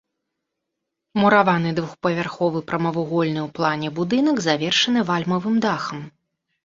Мураваны двухпавярховы прамавугольны ў плане будынак, завершаны вальмавым дахам.